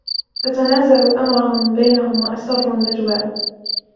فتنازعوا أمرهم بينهم وأسروا النجوى